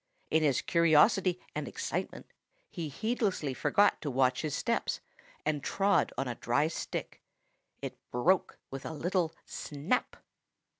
In his curiosity and excitement, he heedlessly forgot to watch his steps and trod on a dry stick. It broke with a little snap.